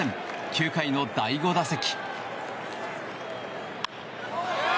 ９回の第５打席。